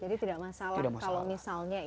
jadi tidak masalah kalau misalnya itu